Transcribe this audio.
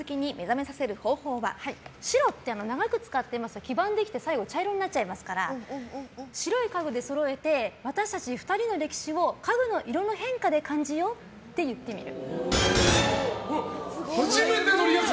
白って、長く使ってますと黄ばんできて最後、茶色になっちゃいますから白い家具でそろえて私たち２人の歴史を家具の色の変化で感じようって言ってみる。